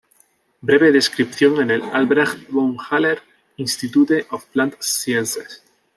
Breve descripción en el "Albrecht von Haller Institute of Plant Sciences"